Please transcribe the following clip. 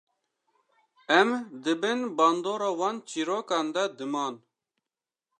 Em di bin bandora wan çîrokan de diman.